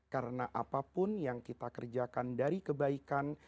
karena apapun yang kita kerjakan dari kebaikan